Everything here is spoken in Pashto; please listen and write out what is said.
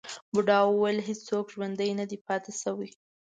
بوډا وویل هیڅوک ژوندی نه دی پاتې شوی.